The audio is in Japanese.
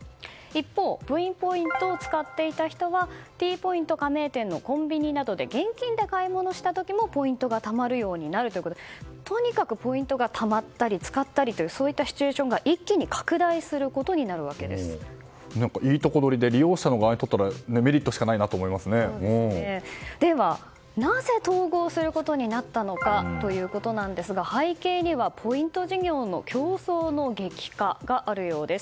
一方、Ｖポイントを使っていた人はＴポイント加盟店のコンビニなどで現金で買い物をした時もポイントがたまるようになるということでとにかくポイントがたまったり使ったりとそういったシチュエーションが一気に何か、いいとこどりで利用者の側にとったらでは、なぜ統合することになったのかですが背景にはポイント事業の競争の激化があるようです。